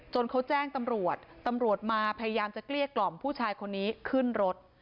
เขาแจ้งตำรวจตำรวจมาพยายามจะเกลี้ยกล่อมผู้ชายคนนี้ขึ้นรถ